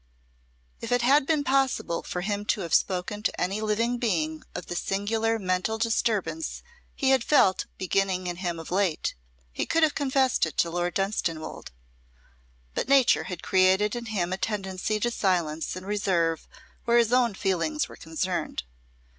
If it had been possible for him to have spoken to any living being of the singular mental disturbance he had felt beginning in him of late, he could have confessed it to Lord Dunstanwolde. But nature had created in him a tendency to silence and reserve where his own feelings were concerned.